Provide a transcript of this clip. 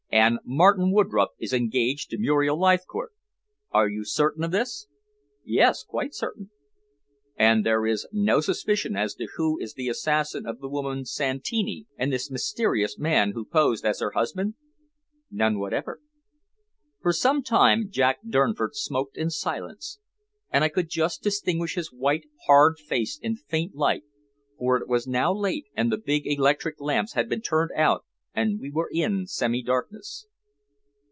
"And Martin Woodroffe is engaged to Muriel Leithcourt. Are you certain of this?" "Yes; quite certain." "And is there no suspicion as to who is the assassin of the woman Santini and this mysterious man who posed as her husband?" "None whatever." For some time Jack Durnford smoked in silence, and I could just distinguish his white, hard face in the faint light, for it was now late, and the big electric lamps had been turned out and we were in semi darkness.